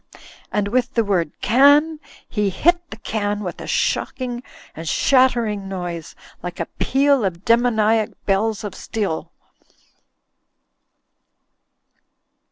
" And with the word "Can" he hit the can with a shocking and shattering noise, like a peal of demoniac bells of steel.